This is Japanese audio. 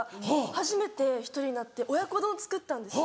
初めて１人になって親子丼作ったんです。